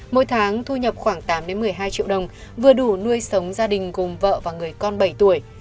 mỗi tháng thu nhập khoảng tám một mươi hai triệu đồng vừa đủ nuôi sống gia đình gồm vợ và người con bảy tuổi